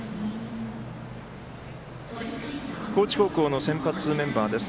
高知高校の先発メンバーです。